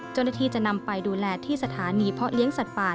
เจ้าหน้าที่จะนำไปดูแลที่สถานีเพาะเลี้ยงสัตว์ป่า